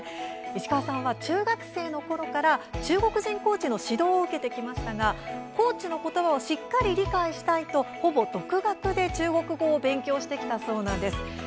石川さんは中学生のころから中国人コーチの指導を受けてきましたがコーチのことばをしっかり理解したいとほぼ独学で中国語を勉強してきたそうです。